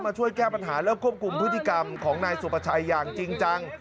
ช่วยแก้ปัญหาและควบคุมพฤติกรรมของนายสุประชัยอย่างจริงจัง